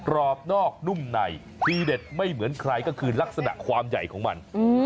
รอบนอกนุ่มในทีเด็ดไม่เหมือนใครก็คือลักษณะความใหญ่ของมัน